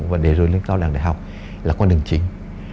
và để rồi lên cao đẳng đại học là con đường chính